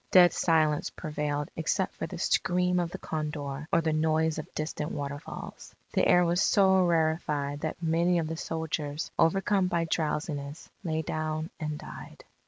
Dead silence prevailed except for the scream of the condor or the noise of distant waterfalls. The air was so rarefied that many of the soldiers, overcome by drowsiness, lay down and died.